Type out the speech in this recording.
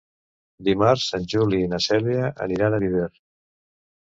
Dimarts en Juli i na Cèlia aniran a Viver.